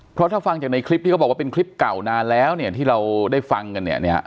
เพราะถ้าฟังจากในคลิปที่เขาบอกว่าเป็นคลิปเก่านานแล้วเนี่ยที่เราได้ฟังกันเนี่ย